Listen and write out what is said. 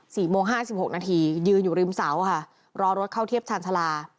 โมงห้าสิบหกนาทียืนอยู่ริมเสาค่ะรอรถเข้าเทียบชาญชาลา